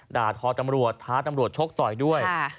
ด่าทอตำรวจท้าตำรวจชกต่อยด้วย